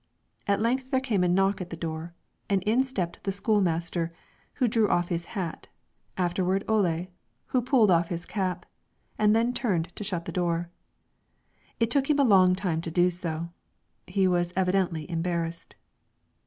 At length there came a knock at the door, and in stepped the school master, who drew off his hat, afterward Ole, who pulled off his cap, and then turned to shut the door. It took him a long time to do so; he was evidently embarrassed.